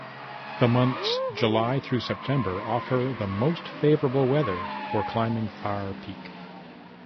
The months July through September offer the most favorable weather for climbing Thar Peak.